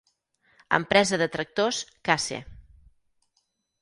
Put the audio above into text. Empresa de tractors Case.